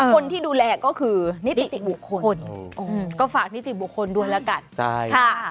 คนที่ดูแลก็คือนิติบุคคลก็ฝากนิติบุคคลด้วยแล้วกันใช่ค่ะ